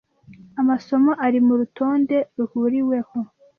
amasomo ari murutonde ruhuriweho